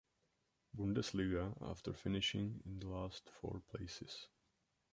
Bundesliga after finishing in the last four places.